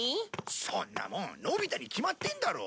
そんなもんのび太に決まってんだろ。